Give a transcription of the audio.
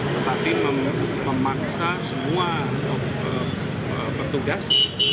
tetapi memaksa semua petugas